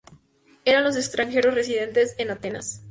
Eran los extranjeros residentes en Atenas.